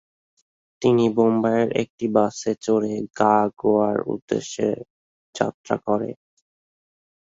তিনি বোম্বাইয়ের একটি বাসে চড়ে যা গোয়ার উদ্দেশ্যে যাত্রা করে।